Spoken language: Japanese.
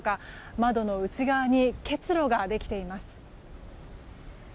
窓の内側に結露ができています。